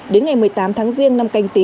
đến ngày một mươi tám tháng riêng năm canh tí